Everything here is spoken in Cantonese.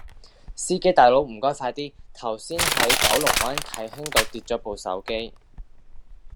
司機大佬唔該快啲，頭先喺九龍灣啟興道跌左部手機